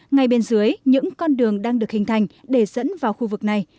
ngay bên dưới những con đường đang được hình thành để dẫn vào khu vực này